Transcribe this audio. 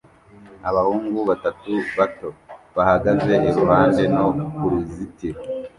Abahungu batatu bato bahagaze iruhande no kuruzitiro